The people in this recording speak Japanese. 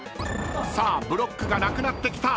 ［さあブロックがなくなってきた］